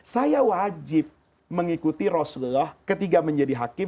saya wajib mengikuti rasulullah ketika menjadi hakim